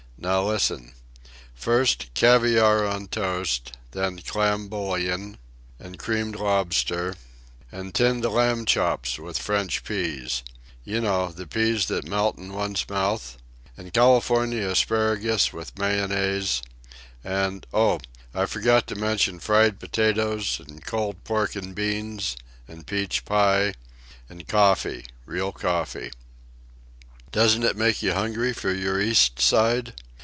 Now, listen: first, caviare on toast; then, clam bouillon; and creamed lobster; and tinned lamb chops with French peas—you know, the peas that melt in one's mouth; and California asparagus with mayonnaise; and—oh, I forgot to mention fried potatoes and cold pork and beans; and peach pie; and coffee, real coffee. Doesn't it make you hungry for your East Side?